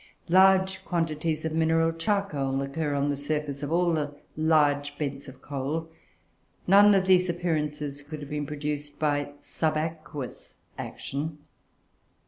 Large quantities of mineral charcoal occur on the surface of all the large beds of coal. None of these appearances could have been produced by subaqueous action.